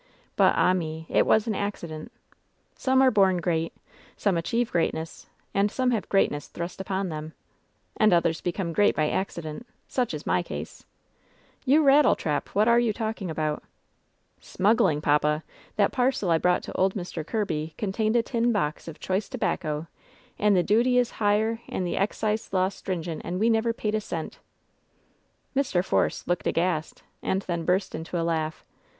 But, ah me I It was an accident. 'Some are bom great ; some achieve greatness; and some have greatness thrust upon them,' and others become great by accident Such is my case." LOVE'S BITTEREST CUP 243 *^ou rattle trap, what are you talking about V^ "Smuggling, papa ! That parcel I brought to old Mr. Kirby contained a tin box of choice tobacco, and the duty is higher, and the excise law stringent, and we never paid a centl" Mr. Force looked aghast, and then burst into a laugh.